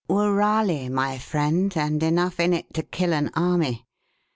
"Woorali, my friend; and enough in it to kill an army.